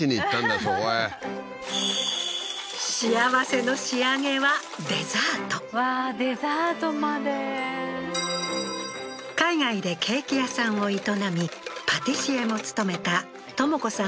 そこへ幸せの仕上げはわあーデザートまで海外でケーキ屋さんを営みパティシエも務めた知子さん